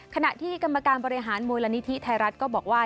ขณะที่กรรมการบริหารมูลนิธิไทยรัฐก็บอกว่า